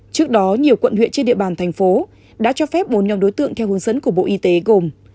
trước đó nhiều quận huyện trên địa bàn thành phố đã cho phép bốn nhóm đối tượng theo hướng dẫn của bộ y tế gồm